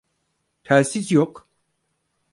Telsiz yok.